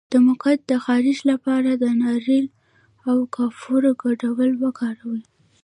د مقعد د خارښ لپاره د ناریل او کافور ګډول وکاروئ